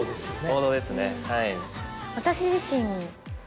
王道ですねはい。